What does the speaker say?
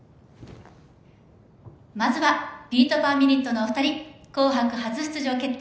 まずはビート・パー・ミニットのお二人「紅白」初出場決定